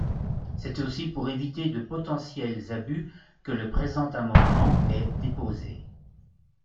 C’est aussi pour éviter de potentiels abus que le présent amendement est déposé.